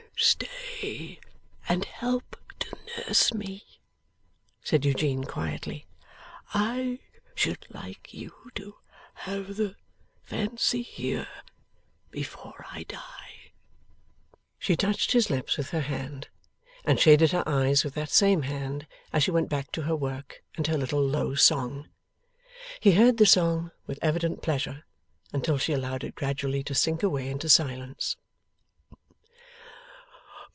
'Stay and help to nurse me,' said Eugene, quietly. 'I should like you to have the fancy here, before I die.' She touched his lips with her hand, and shaded her eyes with that same hand as she went back to her work and her little low song. He heard the song with evident pleasure, until she allowed it gradually to sink away into silence.